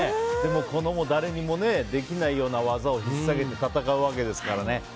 誰にもできないような技を引っさげて戦うわけですからね。